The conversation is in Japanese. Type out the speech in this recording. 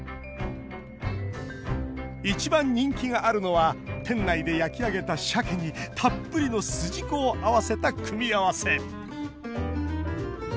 一番人気があるのは店内で焼き上げた、しゃけにたっぷりのすじこを合わせた組み合わせ。